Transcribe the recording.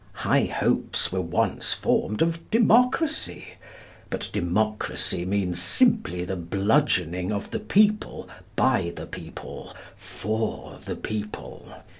High hopes were once formed of democracy; but democracy means simply the bludgeoning of the people by the people for the people.